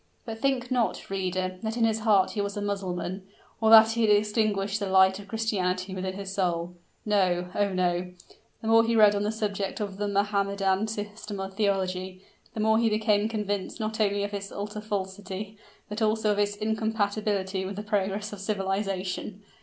But think not, reader, that in his heart he was a Mussulman, or that he had extinguished the light of Christianity within his soul. No oh! no; the more he read on the subject of the Mohammedan system of theology, the more he became convinced not only of its utter falsity, but also of its incompatibility with the progress of civilization.